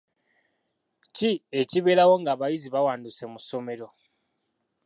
Ki ekibeerawo ng'abayizi bawanduse mu ssomero?